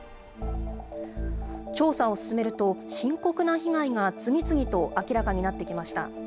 調査を進めると、深刻な被害が次々と明らかになってきました。